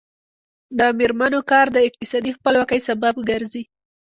د میرمنو کار د اقتصادي خپلواکۍ سبب ګرځي.